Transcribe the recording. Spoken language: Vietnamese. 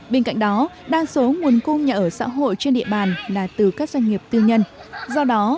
bên cạnh đó đa số nguồn cung nhà ở xã hội trên địa bàn là từ các doanh nghiệp tư nhân do đó